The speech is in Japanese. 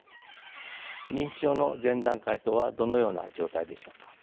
認知症の前段階とはどのような状態でしょうか。